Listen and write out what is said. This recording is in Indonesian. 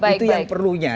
itu yang perlunya